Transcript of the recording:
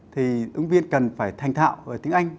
thì ứng viên cần phải thành thạo ở tiếng anh